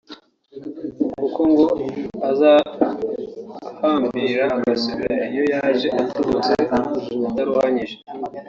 kuko ngo azahambira agasubira iyo yaje aturutse ataruhanyije